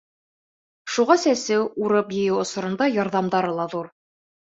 Шуға сәсеү, урып йыйыу осоронда ярҙамдары ла ҙур.